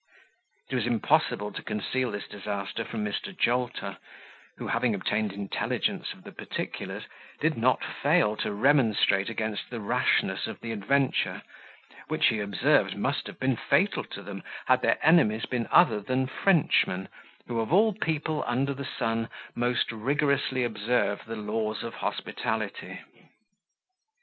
It was impossible to conceal this disaster from Mr. Jolter, who, having obtained intelligence of the particulars, did not fail to remonstrate against the rashness of the adventure, which, he observed, must have been fatal to them, had their enemies been other than Frenchmen, who, of all people under the sun, most rigorously observe the laws of hospitality.